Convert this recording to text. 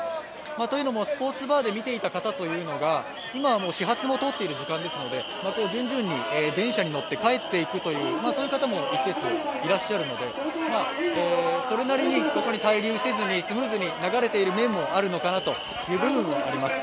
というのも、スポーツバーで見ていた方というのが、今、始発も通っている時間ですので準々に電車に乗って帰っていく方も一定数いらっしゃるのでそれなりにここに滞留せずにスムーズに流れている面もあるのかなと思います。